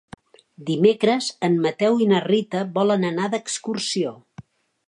Dimecres en Mateu i na Rita volen anar d'excursió.